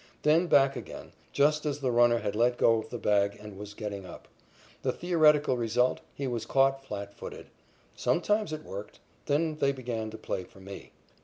Then back again, just as the runner had let go of the bag and was getting up. The theoretical result: He was caught flat footed. Sometimes it worked. Then they began to play for me.